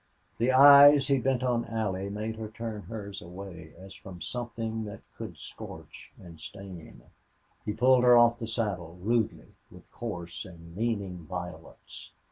The eyes he bent on Allie made her turn hers away as from something that could scorch and stain. He pulled her off the saddle, rudely, with coarse and meaning violence.